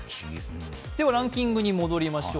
では、ランキングに戻りましょう。